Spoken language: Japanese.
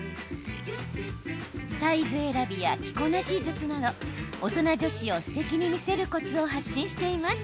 サイズ選びや着こなし術など大人女子をすてきに見せるコツを発信しています。